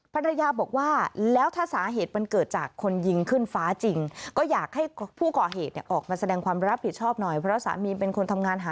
พันระยะบอกว่าแล้วถ้าสาเหตุมันเกิดจากคนยิงขึ้นฟ้าจริง